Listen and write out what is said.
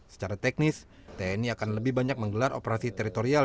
secara teknis tni akan lebih banyak menggelar operasi teritorial